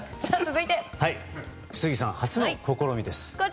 杉さん初の試みです。